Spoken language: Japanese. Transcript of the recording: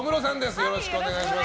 よろしくお願いします。